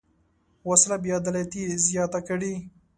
وسله بېعدالتي زیاته کړې